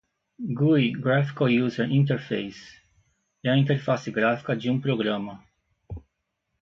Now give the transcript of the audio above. GUI (Graphical User Interface) é a interface gráfica de um programa.